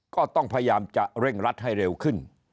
ก็ต้องพยายามจะเร่งรัดให้เร็วขึ้น